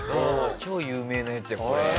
超有名なやつこれ。